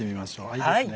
いいですね。